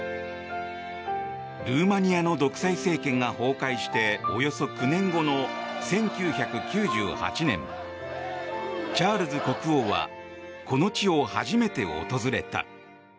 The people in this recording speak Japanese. ルーマニアの独裁政権が崩壊しておよそ９年後の１９９８年チャールズ国王はこの地を初めて訪れた。